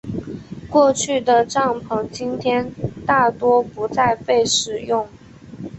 过去的帐篷今天大多不再被使用。